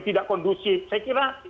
tidak kondusif saya kira